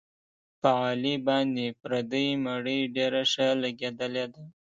په علي باندې پردۍ مړۍ ډېره ښه لګېدلې ده.